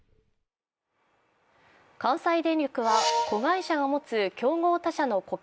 関西電力は子会社が持つ競合他社の顧客